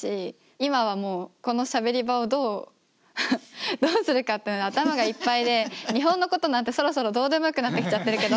今はもうこのしゃべり場をどうするかってので頭がいっぱいで日本のことなんてそろそろどうでもよくなってきちゃってるけど。